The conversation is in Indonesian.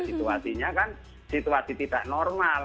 itu artinya kan situasi tidak normal